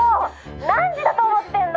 何時だと思ってるの！？」